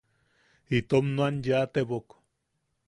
Itom nuan yaatebok.